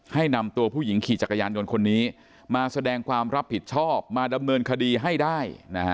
ให้นำตัวผู้หญิงขี่จักรยานยนต์คนนี้มาแสดงความรับผิดชอบมาดำเนินคดีให้ได้